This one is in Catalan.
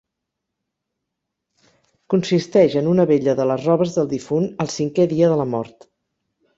Consisteix en una vetlla de les robes del difunt, al cinquè dia de mort.